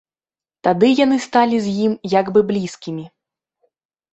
Тады яны сталі з ім як бы блізкімі.